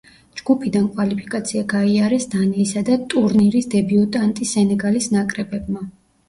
ჯგუფიდან კვალიფიკაცია გაიარეს დანიისა და ტურნირის დებიუტანტი სენეგალის ნაკრებებმა.